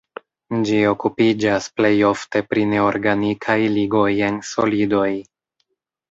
Ĝi okupiĝas plej ofte pri neorganikaj ligoj en solidoj.